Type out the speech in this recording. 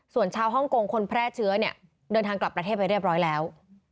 ส่วนชาวฮ่องกงคนแพร่เชื้อเนี่ยเดินทางกลับประเทศไปเรียบร้อยแล้ว